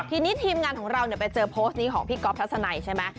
ทีนี้ทีมงานของเราไปเจอโพสต์นี้ของพี่ก๊อฟทัศนัยใช่ไหม